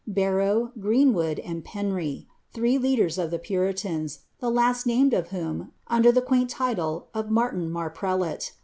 Barrow, Greenwood, and Penry, three leaders of the puniaoi, the last named of whom, under the quaint liile of Martin Mar preliic.